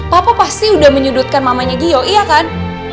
papa pasti udah menyudutkan mamanya giyo iya kan